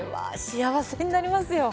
幸せになりますよ。